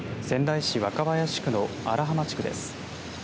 仙台市若林区の荒浜地区です。